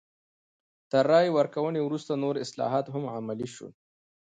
تر رایې ورکونې وروسته نور اصلاحات هم عملي شول.